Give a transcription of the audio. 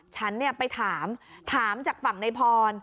ฉันไปถามถามจากฝั่งในพร